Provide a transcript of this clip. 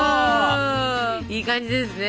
いい感じですね！